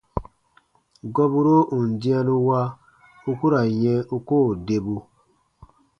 Gɔburo ù n dĩanu wa, u ku ra n yɛ̃ u koo debu.